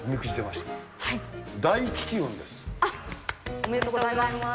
おめでとうございます。